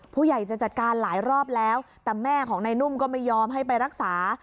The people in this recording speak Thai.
ผู้ใหญ่จะจัดการหลายรอบแล้วแต่แม่ของนายนุ่มก็ไม่ยอมให้ไปรักษา